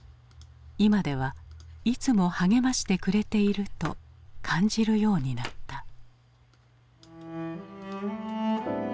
今ではいつも励ましてくれていると感じるようになった。